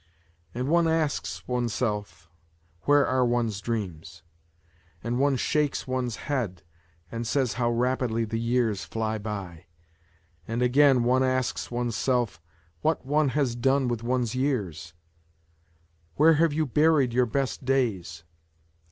And one asks oneself where are one's dreams. And one shakes one's head and says how rapidly the years fly by ! And again one oneself what has one done with one's years. Where have you buried your best days